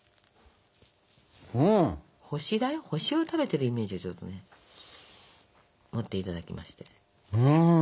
星だよ星を食べてるイメージをちょっとね持っていただきまして。